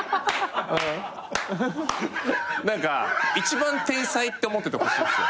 何か一番天才って思っててほしいんすよ。